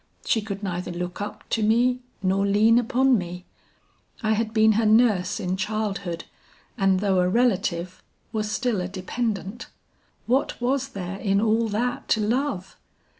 She could neither look up to me nor lean upon me. I had been her nurse in childhood and though a relative, was still a dependent; what was there in all that to love!